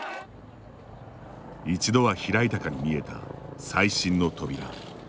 １度は開いたかに見えた再審の扉。